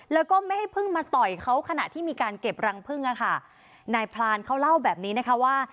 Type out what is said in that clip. แล้วก็ไม่ให้เพิ่งมาต่อยเขาขณะที่มีการเก็บรังพึ่งอะค่ะนายพรานเขาเล่าแบบนี้นะคะว่า